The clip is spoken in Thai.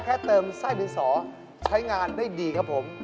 เติมไส้ดินสอใช้งานได้ดีครับผม